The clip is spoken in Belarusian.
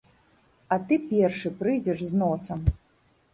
А ты першы прыйдзеш з носам.